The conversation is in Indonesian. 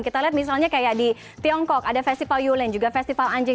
kita lihat misalnya kayak di tiongkok ada festival yulian juga festival anjing